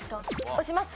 押します。